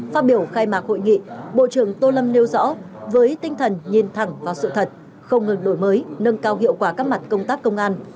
phát biểu khai mạc hội nghị bộ trưởng tô lâm nêu rõ với tinh thần nhìn thẳng vào sự thật không ngừng đổi mới nâng cao hiệu quả các mặt công tác công an